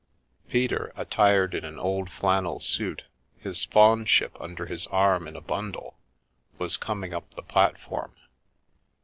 Peter, attired in an old flannel suit, his faunship under his arm in a bundle, was coming up the platform.